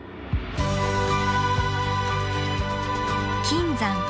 金山